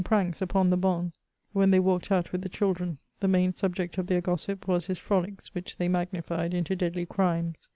73 pranks upon the bonnes when they walked out with the children ; the main suhject of their gossip was his frolics which thej magnified into deadly crimes.